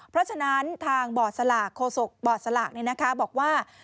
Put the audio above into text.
เพราะฉะนั้นทางบอร์ดสลากโคศกบอร์ดสลากบอกว่า